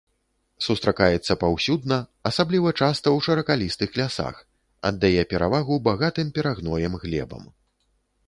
Сустракаецца паўсюдна, асабліва часта ў шыракалістых лясах, аддае перавагу багатым перагноем глебам.